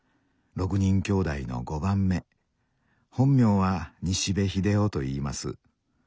６人兄弟の５番目本名は西部秀郎といいます。